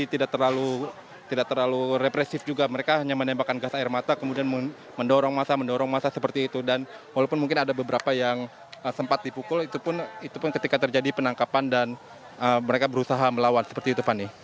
tidak terlalu represif juga mereka hanya menembakkan gas air mata kemudian mendorong masa mendorong masa seperti itu dan walaupun mungkin ada beberapa yang sempat dipukul itu pun ketika terjadi penangkapan dan mereka berusaha melawan seperti itu fani